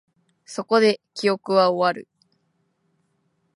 そこで、記憶は終わる